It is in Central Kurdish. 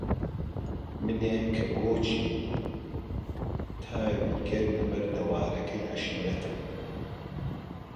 منێ کە گۆچی تاوی گەرمی بەردەوارەکەی عەشیرەتم